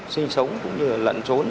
sinh sống cũng như lận trốn